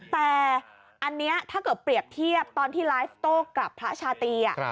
แต่อันนี้ถ้าเกิดเปรียบเทียบตอนที่ไลฟ์โต้กลับพระชาตรี